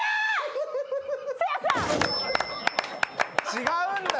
違うんだ。